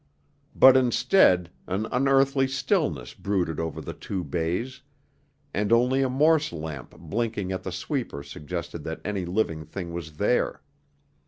But instead an unearthly stillness brooded over the two bays, and only a Morse lamp blinking at the sweeper suggested that any living thing was there.